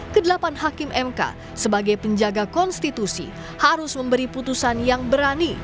kedelapan hakim mk sebagai penjaga konstitusi harus memberi putusan yang berani